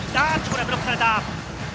ブロックされた！